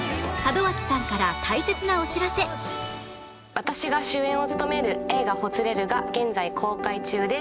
私が主演を務める映画『ほつれる』が現在公開中です。